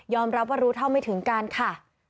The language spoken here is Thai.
รับว่ารู้เท่าไม่ถึงการค่ะ